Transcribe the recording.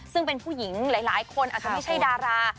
ซึ่งเป็นผู้หญิงหลายคนอาจจะไม่ใช่ดารา